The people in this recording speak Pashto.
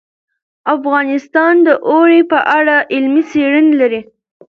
افغانستان د اوړي په اړه علمي څېړنې لري.